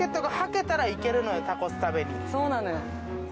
そうそうなのよ